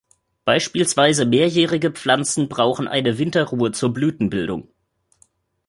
Beispielsweise mehrjährige Pflanzen brauchen eine Winterruhe zur Blütenbildung.